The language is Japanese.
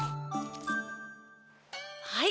はい。